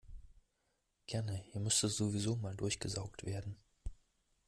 Gerne, hier müsste sowieso mal durchgesaugt werden.